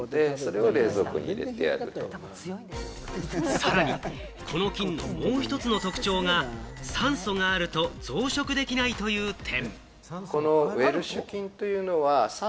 さらに、この菌のもう１つの特徴が酸素があると増殖できないという点。